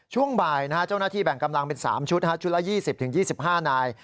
ช่วงบ่ายเจ้าหน้าที่แบ่งกำลังเป็น๓ชุดชุดละ๒๐๒๕นาย